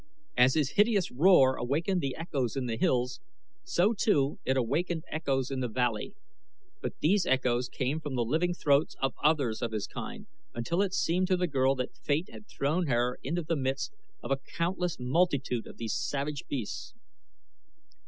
As his hideous roar awakened the echoes in the hills, so too it awakened echoes in the valley; but these echoes came from the living throats of others of his kind, until it seemed to the girl that Fate had thrown her into the midst of a countless multitude of these savage beasts.